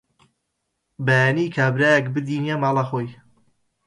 بەیانی کابرایەک بردینیە ماڵە خۆی